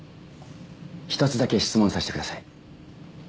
１つだけ質問させてください。